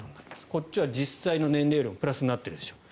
こっちは実際の年齢よりプラスになっているでしょう